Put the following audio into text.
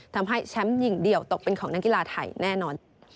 ทำให้แชมป์หญิงเดี่ยวตกเป็นของนักกีฬาไทยแน่นอน